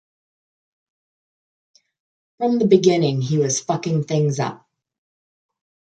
From the beginning he was fucking things up.